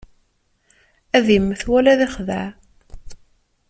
Ad immet, wala ad ixdeɛ.